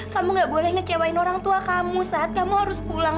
kamu gak boleh ngecewain orang tua kamu saat kamu harus pulang